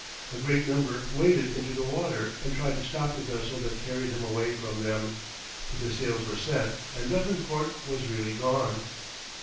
A great number waded into the water, and tried to stop the vessel that carried him away from them, but the sails were set and Béthencourt was really gone.